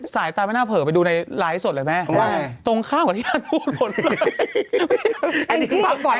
สายตาไม่น่าเผลอไปดูในไลฟ์สดเลยแม่ว่าตรงข้ามกับที่ท่านพูดหมดเลย